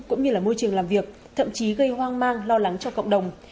cũng như là môi trường làm việc thậm chí gây hoang mang lo lắng cho cộng đồng